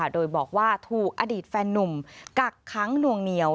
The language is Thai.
โดยบอกว่าถูกอดีตแฟนนุ่มกักค้างหน่วงเหนียว